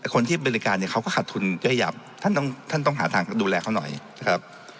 คนที่บริการเขาก็ขาดทุนเยอะหยับท่านต้องหาทางดูแลเขาน่ะ